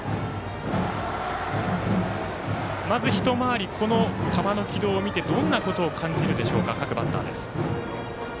まず１回り、この球の軌道を見てどんなことを感じるでしょうか各バッターです。